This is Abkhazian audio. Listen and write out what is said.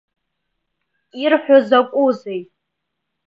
Ирҳәо закәызеи!